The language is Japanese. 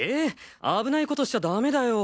危ないことしちゃダメだよ！